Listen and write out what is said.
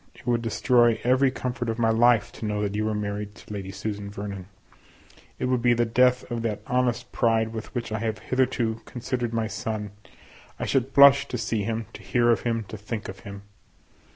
It would destroy every comfort of my life to know that you were married to Lady Susan Vernon; it would be the death of that honest pride with which I have hitherto considered my son; I should blush to see him, to hear of him, to think of him.